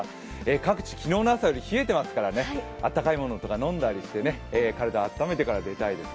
各地昨日の朝より冷えてますからねあったかいものを飲んだりして体をあっためてから出たいですね。